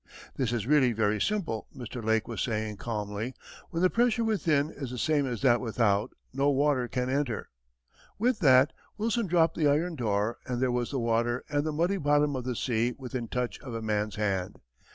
"This is really very simple," Mr. Lake was saying calmly. "When the pressure within is the same as that without, no water can enter." With that, Wilson dropped the iron door, and there was the water and the muddy bottom of the sea within touch of a man's hand.